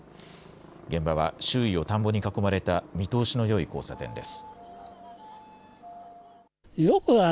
現場は周囲を田んぼに囲まれた見通しのよい交差点です。